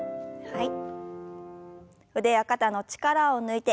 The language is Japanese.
はい。